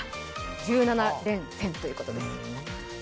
１７連戦ということです。